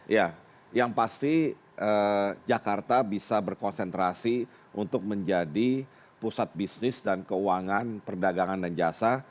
ya yang pasti jakarta bisa berkonsentrasi untuk menjadi pusat bisnis dan keuangan perdagangan dan jasa